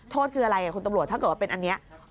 โทษคืออะไรคุณตำรวจถ้าเกิดว่าเป็นอันนี้